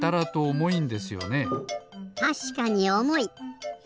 たしかにおもい！